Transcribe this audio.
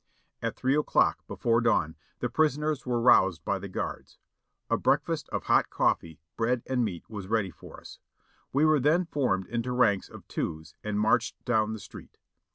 At three o'clock, before dawn, the prisoners were roused by the guards ; a breakfast of hot cofifee, bread and meat was ready for us. We were then formed into ranks of twos and marched down the street.